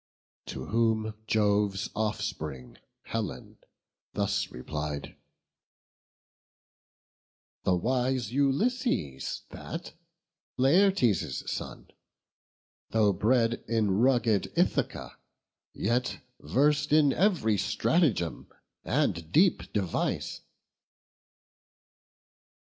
To whom Jove's offspring, Helen, thus replied: "The wise Ulysses that, Laertes' son: Though bred in rugged Ithaca, yet vers'd In ev'ry stratagem, and deep device."